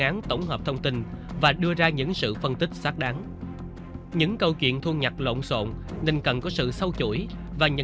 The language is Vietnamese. án tổng hợp thông tin và đưa ra những sự phân tích xác đáng những câu chuyện thu nhặt lộn xộn